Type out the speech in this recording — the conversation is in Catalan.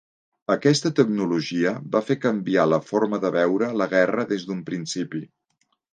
Aquesta tecnologia va fer canviar la forma de veure la guerra des d'un principi.